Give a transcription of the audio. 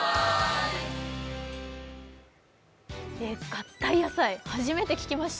合体野菜、初めて聞きました。